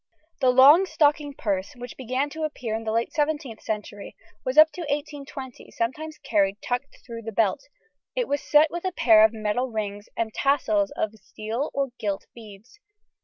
The long stocking purse which began to appear in the late 17th century was up to 1820 sometimes carried tucked through the belt; it was set with a pair of metal rings and tassels of steel or gilt beads.